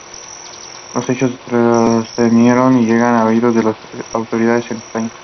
Los hechos trascendieron y llegaron a oídos de las autoridades en España.